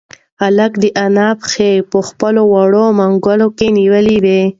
هلک د انا پښې په خپلو وړوکو منگولو کې نیولې وې.